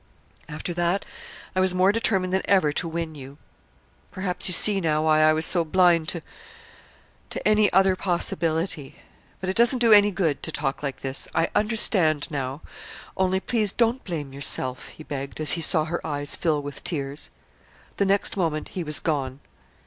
After that I was more determined than ever to win you. Perhaps you see, now, why I was so blind to to any other possibility. But it doesn't do any good to talk like this. I understand now. Only, please, don't blame yourself," he begged as he saw her eyes fill with tears. The next moment he was gone.